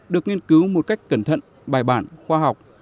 được nghiên cứu một cách cẩn thận bài bản khoa học